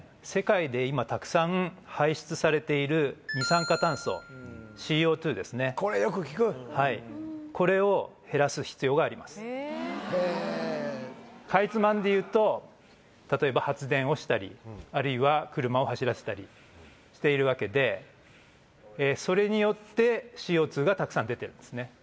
世界で今たくさん排出されている二酸化炭素ＣＯ２ですねこれよく聞くこれを減らす必要がありますへえかいつまんで言うと例えば発電をしたりあるいは車を走らせたりしているわけでそれによってＣＯ２がたくさん出てるんですね